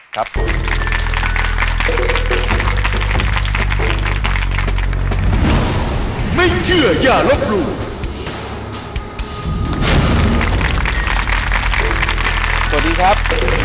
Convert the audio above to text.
สวัสดีครับ